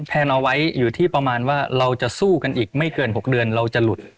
แนนเอาไว้อยู่ที่ประมาณว่าเราจะสู้กันอีกไม่เกิน๖เดือนเราจะหลุด